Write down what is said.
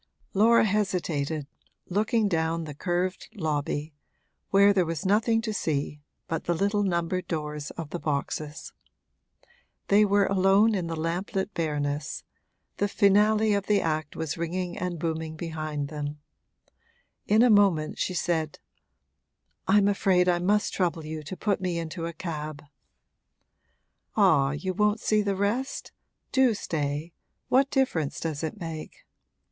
Laura hesitated, looking down the curved lobby, where there was nothing to see but the little numbered doors of the boxes. They were alone in the lamplit bareness; the finale of the act was ringing and booming behind them. In a moment she said: 'I'm afraid I must trouble you to put me into a cab.' 'Ah, you won't see the rest? Do stay what difference does it make?'